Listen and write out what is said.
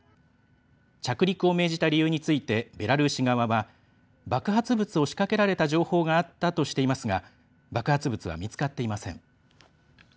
着陸を命じた理由についてベラルーシ側は爆発物を仕掛けられた情報があったとしていますが爆発物は見つかっていません。